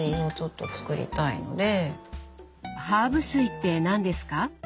ハーブ水って何ですか？